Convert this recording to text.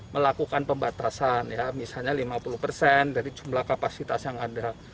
melakukan pembatasan ya misalnya lima puluh persen dari jumlah kapasitas yang ada